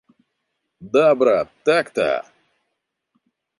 Да, брат, так-то!